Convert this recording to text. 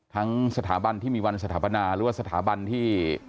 ทั้งสถาบันที่มีวันสถาปนาหรือว่าสถาบันที่